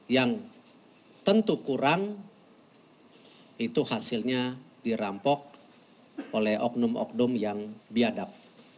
yang tentu kurang itu hasilnya dirampok oleh oknum oknum yang biadab